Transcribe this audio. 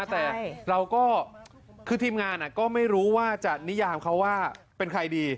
แต่เราก็คือทีมงานก็ไม่รู้ว่าจะนิยามเขาว่าเป็นใครดี